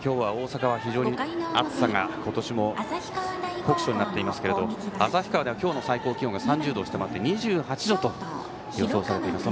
今日は大阪は非常に酷暑になっていますが旭川では今日の最高気温が３０度を下回って２８度と予想されています。